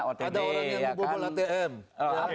ada orang yang membobol atm